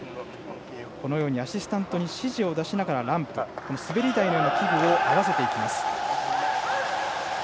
アシスタントに指示を出しながらランプを滑り台のような器具を合わせていきます。